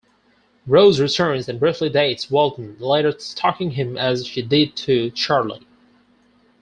Rose returns and briefly dates Walden, later stalking him as she did to Charlie.